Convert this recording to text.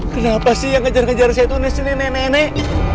kenapa sih yang ngejar ngejar saya tuh nanti nenek nenek